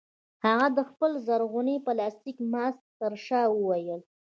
هغه د خپل زرغون پلاستيکي ماسک ترشا وویل